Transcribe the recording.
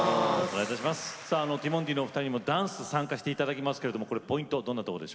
さあティモンディのお二人にもダンス参加して頂きますけれどもポイントどんなとこでしょうか？